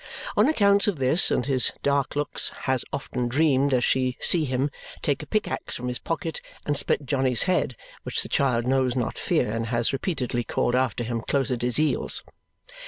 On accounts of this and his dark looks has often dreamed as she see him take a pick axe from his pocket and split Johnny's head (which the child knows not fear and has repeatually called after him close at his eels).